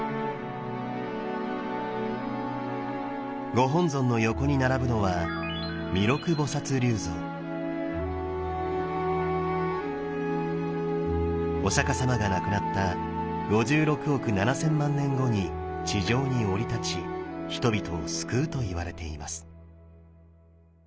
ご本尊の横に並ぶのはお釈様が亡くなった５６億７，０００万年後に地上に降り立ち人々を救うといわれています。